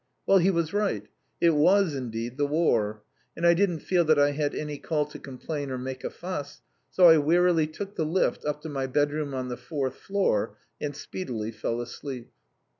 Well, he was right; it was indeed the War, and I didn't feel that I had any call to complain or make a fuss, so I wearily took the lift up to my bedroom on the fourth floor, and speedily fell asleep.